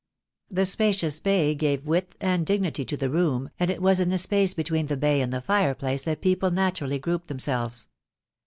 The spacious bay gave width and dignity to the room, and it was in the space between the bay and the fireplace that people naturally grouped themselves.